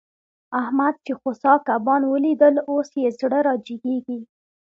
احمد چې خوسا کبان وليدل؛ اوس يې زړه را جيګېږي.